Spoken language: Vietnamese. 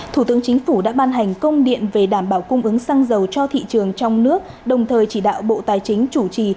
thủ tướng chính phủ đã ban hành công điện về đảm bảo cung ứng xăng dầu cho thị trường trong nước đồng thời chỉ đạo bộ tài chính chủ trì